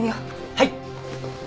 はい！